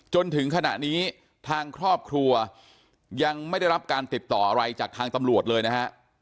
จนถึงขณะนี้ทางครอบครัวยังไม่ได้รับการติดต่ออะไรจากทางตำรวจเลยนะฮะ